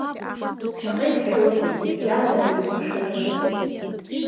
Шаҟа ицқьоузеи, гьамала еиқәыршәоузеи!